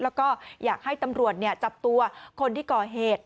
แล้วก็อยากให้ตำรวจจับตัวคนที่ก่อเหตุ